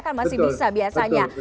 kan masih bisa biasanya